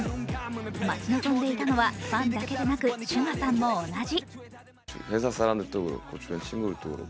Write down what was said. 待ち望んでいたのは、ファンだけでなく、ＳＵＧＡさんも同じ。